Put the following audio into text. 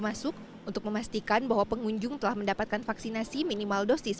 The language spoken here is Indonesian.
masuk untuk memastikan bahwa pengunjung telah mendapatkan vaksinasi minimal dosis